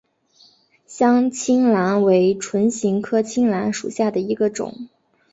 香青兰为唇形科青兰属下的一个种。